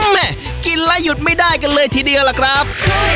แม่กินแล้วหยุดไม่ได้กันเลยทีเดียวล่ะครับ